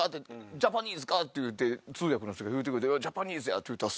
ジャパニーズか？」って通訳の人が言うてくれてジャパニーズやって言うたら。